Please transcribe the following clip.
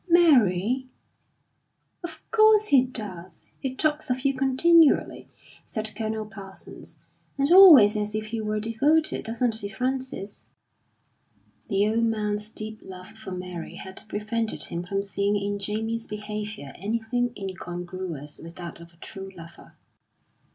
"Mary!" "Of course he does! He talks of you continually," said Colonel Parsons, "and always as if he were devoted. Doesn't he, Frances?" The old man's deep love for Mary had prevented him from seeing in Jamie's behaviour anything incongruous with that of a true lover.